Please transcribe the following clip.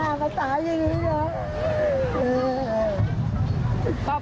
ยายมียาดมมั้ยเมื่อกี้เห็นมียาดมมั้ย